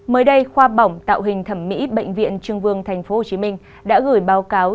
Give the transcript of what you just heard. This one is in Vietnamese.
mới đây khoa bỏng tạo hình thẩm mỹ bệnh viện trưng vương tp hcm đã gửi báo cáo